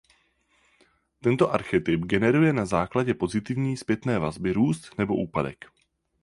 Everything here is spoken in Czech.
Tento archetyp generuje na základě pozitivní zpětné vazby růst nebo úpadek.